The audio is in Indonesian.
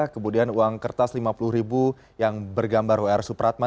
kemudian uang kertas lima puluh ribu yang bergambar wr supratman